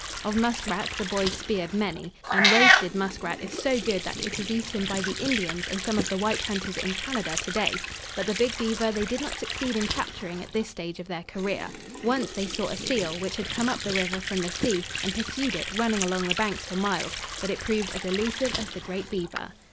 Of muskrats the boys speared many and roasted muskrat is so good that it is eaten by the Indians and some of the white hunters in Canada to day but the big beaver they did not succeed in capturing at this stage of their career. Once they saw a seal, which had come up the river from the sea, and pursued it, running along the banks for miles, but it proved as elusive as the great beaver.